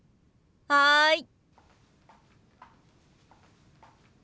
はい。